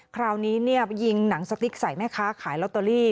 คราวนี้ไปยิงหนังสติ๊กใส่แม่ค้าขายลอตเตอรี่